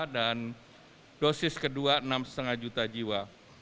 dan dosis kedua enam lima juta jiwa